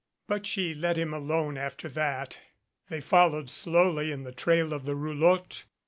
But she let him alone after that. They followed slowly in the trail of the roulotte.